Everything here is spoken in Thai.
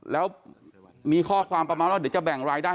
แล้วมีข้อความประมาณว่าเดี๋ยวจะแบ่งรายได้